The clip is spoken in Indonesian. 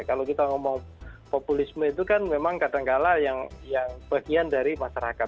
kalau kita ngomong populisme itu kan memang kadangkala yang bagian dari masyarakat